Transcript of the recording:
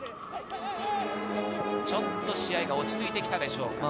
ちょっと試合が落ち着いてきたでしょうか。